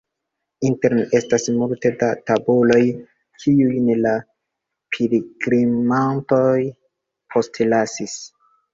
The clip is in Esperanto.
Interne estas multe da tabuloj, kiujn la pilgrimantoj postlasis.